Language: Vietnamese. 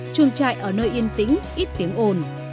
chuồng trại ở nơi yên tĩnh ít tiếng ồn